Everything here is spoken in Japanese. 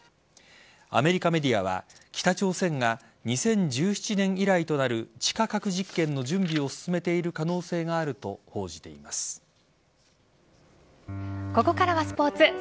アメリカメディアは北朝鮮が２０１７年以来となる地下核実験の準備を進めている可能性があるとここからはスポーツ。